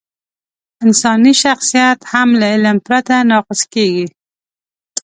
انساني شخصیت هم له علم پرته ناقص کېږي.